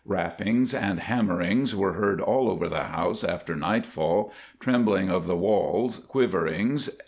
Rappings and hammerings were heard all over the house after nightfall, trembling of the walls, quiverings.